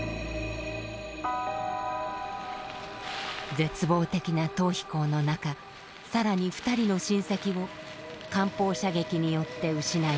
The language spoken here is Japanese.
絶望的な逃避行の中さらに２人の親戚を艦砲射撃によって失いました。